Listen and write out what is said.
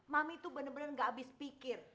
mami tuh bener bener gak abis pikir